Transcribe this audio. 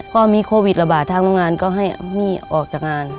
พอมีโควิดระบาดทางโรงงานก็ให้มี่ออกจากงาน